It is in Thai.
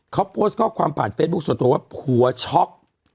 เขาโพสต์ข้อความผ่านเฟซบุ๊คส่วนตัวว่าผัวช็อก